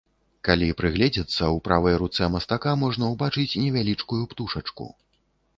Калі прыгледзецца, у правай руцэ мастака можна ўбачыць невялічкую птушачку.